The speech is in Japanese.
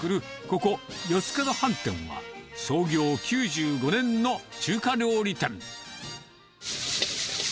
ここ、四つ角飯店は、創業９５年の中華料理店。